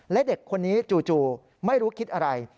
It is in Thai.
และเด็กคนนี้จู่ไม่รู้คิดอะไร